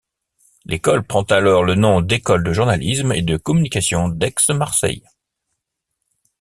L'école prend alors le nom d'École de journalisme et de communication d'Aix-Marseille.